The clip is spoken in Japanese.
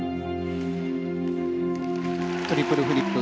トリプルフリップ。